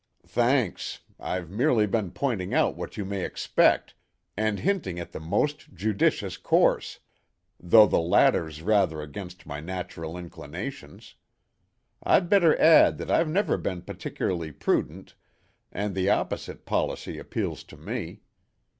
"Thanks. I've merely been pointing out what you may expect, and hinting at the most judicious course though the latter's rather against my natural inclinations. I'd better add that I've never been particularly prudent, and the opposite policy appeals to me.